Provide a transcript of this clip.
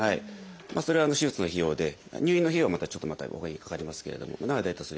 それは手術の費用で入院の費用はちょっとまたほかにかかりますけれども今は大体それぐらい。